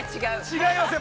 ◆違いますか。